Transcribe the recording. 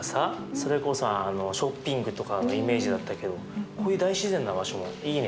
それこそショッピングとかがイメージだったけどこういう大自然な場所もいいね。